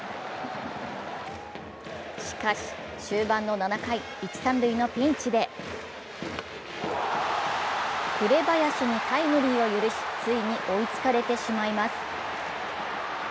しかし、終盤の７回、一・三塁のピンチで紅林にタイムリーを許しついに追いつかれてしまいます。